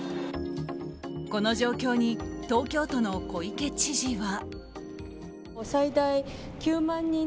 この状況に東京都の小池知事は。